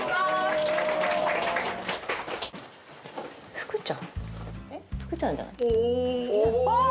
福ちゃんだ！